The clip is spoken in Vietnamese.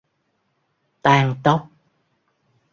tang tóc